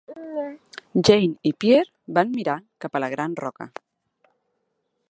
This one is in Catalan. Jeanne i Pierre van mirar cap a la gran roca.